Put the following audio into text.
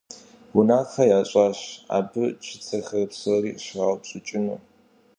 Унафэ ящӀащ абы чыцэхэр псори щраупщӀыкӀыну.